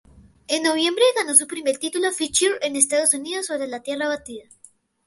En noviembre gano su primer título Future en Estados Unidos sobre tierra batida.